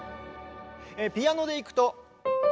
ピアノでいくと。